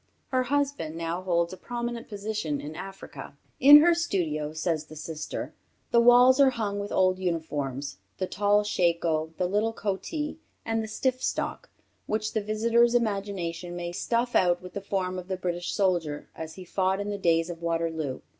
Her husband now holds a prominent position in Africa. In her studio, says her sister, "the walls are hung with old uniforms the tall shako, the little coatee, and the stiff stock which the visitor's imagination may stuff out with the form of the British soldier as he fought in the days of Waterloo.